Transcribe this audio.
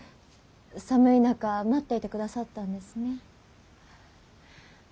寒い中待っていてくださったんですね。